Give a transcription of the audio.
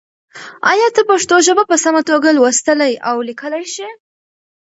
ایا ته پښتو ژبه په سمه توګه لوستلی او لیکلی شې؟